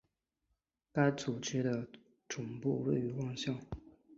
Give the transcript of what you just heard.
该组织的总部位于万象。